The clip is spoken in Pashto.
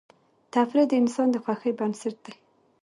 تفریح د انسان د خوښۍ بنسټ دی.